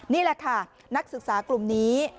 นี่แหละค่ะนักศึกษากลุ่มนี้